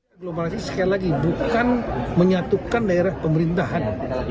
aglomerasi sekali lagi bukan menyatukan daerah pemerintahan